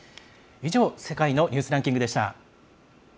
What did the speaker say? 以上「世界のニュースランキング」でした。